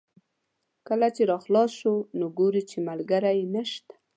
کله چې را خلاص شو نو ګوري چې ملګری یې نشته.